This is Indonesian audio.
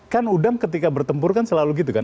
kan udang ketika bertempur kan selalu gitu kan